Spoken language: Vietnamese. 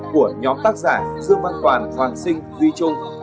của nhóm tác giả dương văn toàn hoàng sinh duy trung